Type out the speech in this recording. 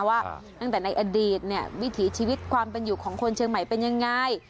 ว่าตั้งแต่ในอดีตเนี่ยวิถีชีวิตความเป็นอยู่ของคนเชียงใหม่เป็นยังไง